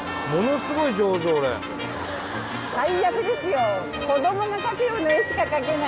最悪ですよ。